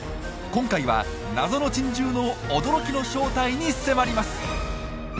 今回は謎の珍獣の驚きの正体に迫ります。